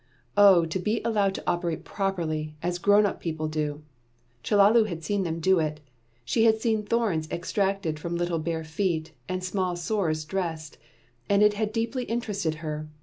Oh to be allowed to operate properly, as grown up people do! Chellalu had seen them do it had seen thorns extracted from little bare feet, and small sores dressed; and it had deeply interested her.